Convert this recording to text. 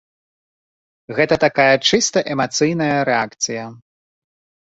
Гэта такая чыста эмацыйная рэакцыя.